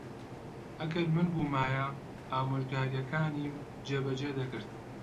ئەگەر من بوومایە، ئامۆژگارییەکانیم جێبەجێ دەکرد.